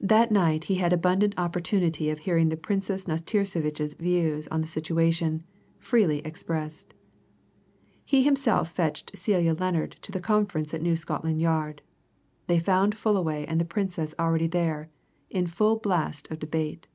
That night he had abundant opportunity of hearing the Princess Nastirsevitch's views on the situation, freely expressed. He himself fetched Celia Lennard to the conference at New Scotland Yard; they found Fullaway and the Princess already there, in full blast of debate.